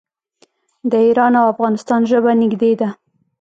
د ایران او افغانستان ژبه نږدې ده.